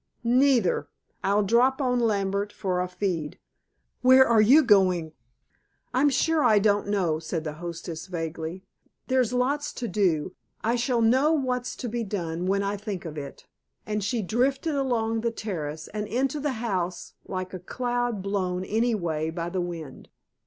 "Neither. I'll drop on Lambert for a feed. Where are you going?" "I'm sure I don't know," said the hostess vaguely. "There's lots to do. I shall know what's to be done, when I think of it," and she drifted along the terrace and into the house like a cloud blown any way by the wind.